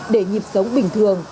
để nhịp sống bình thường